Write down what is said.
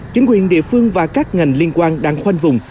chính quyền địa phương và các ngành liên quan đang khoanh vùng